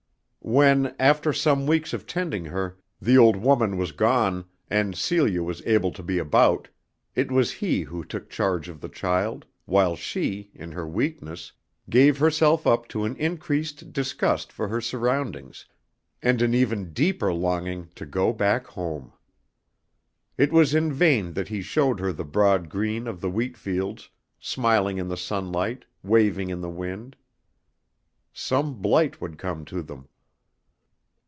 When, after some weeks of tending her, the old woman was gone, and Celia was able to be about, it was he who took charge of the child, while she, in her weakness, gave herself up to an increased disgust for her surroundings and an even deeper longing to go back home. It was in vain that he showed her the broad green of the wheat fields, smiling in the sunlight, waving in the wind. Some blight would come to them.